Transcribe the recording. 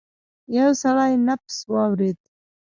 يو سړی نبض واورېد.